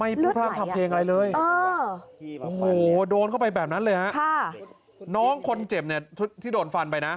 ไม่พูดภาพภาพเพลงอะไรเลยโอ้โฮโดนเข้าไปแบบนั้นเลยครับน้องคนเจ็บที่โดนฟันไปนะ